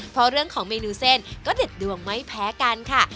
เพราะเรื่องของเมนูเส้นก็เด็ดดวงไม่แพ้กันค่ะ